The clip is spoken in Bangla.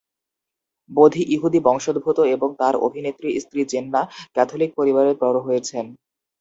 বোধি ইহুদি বংশোদ্ভূত এবং তার অভিনেত্রী স্ত্রী জেননা ক্যাথলিক পরিবারে বড় হয়েছেন।